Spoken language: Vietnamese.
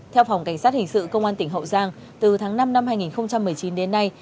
theo phòng cảnh sát hình sự công an tỉnh hậu giang từ tháng năm năm hai nghìn một mươi chín đến nay